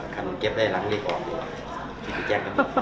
คิดว่าแจ้งกันดีกว่า